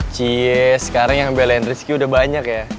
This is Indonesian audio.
cieee sekarang yang belai risiko udah banyak ya